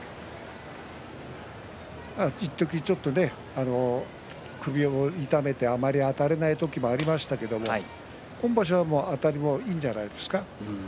いっときちょっと首を痛めてあまりあたれていない時もありましたが今場所はあたりもいいんじゃないですか？